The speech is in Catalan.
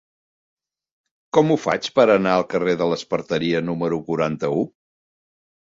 Com ho faig per anar al carrer de l'Esparteria número quaranta-u?